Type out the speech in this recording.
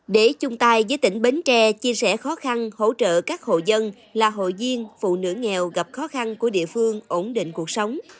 để chung tay với tỉnh bến tre chia sẻ khó khăn hỗ trợ các hộ dân là hội viên phụ nữ nghèo gặp khó khăn của địa phương ổn định cuộc sống